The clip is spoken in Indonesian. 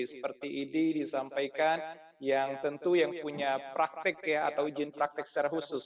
seperti ini disampaikan yang tentu yang punya praktek ya atau ujin praktek secara khusus